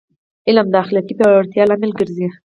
علم د اخلاقي پیاوړتیا لامل ګرځي.